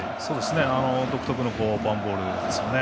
独特のパームボールですよね。